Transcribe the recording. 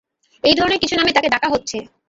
এই ধরনের কিছু নামে তাকে ডাকা হচ্ছে!